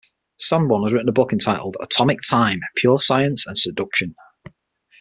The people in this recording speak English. Sanborn has written a book entitled "Atomic Time: Pure Science and Seduction".